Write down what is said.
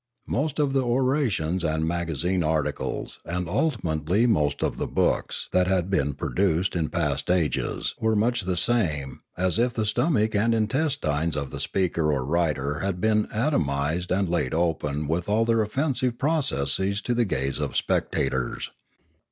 Most of the orations and magazine articles, and ultimately most of the books that had been pro duced in past ages were much the same as if the stomach and intestines of the speaker or writer had been anatomised and laid open with all their offensive processes to the gaze of spectators.